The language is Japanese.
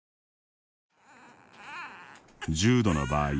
重度の場合